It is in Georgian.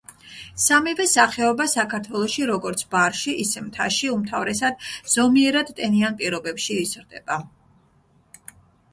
სამივე სახეობა საქართველოში როგორც ბარში, ისე მთაში, უმთავრესად ზომიერად ტენიან პირობებში იზრდება.